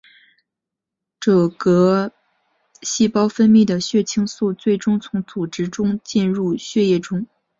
嗜铬细胞分泌的血清素最终从组织中出来进入血液中。